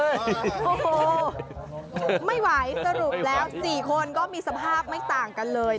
โอ้โหไม่ไหวสรุปแล้ว๔คนก็มีสภาพไม่ต่างกันเลย